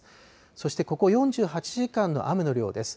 そしてここ４８時間の雨の量です。